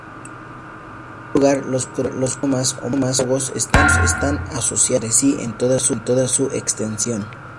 En primer lugar, los cromosomas homólogos están asociados entre sí en toda su extensión.